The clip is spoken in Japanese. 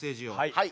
はい。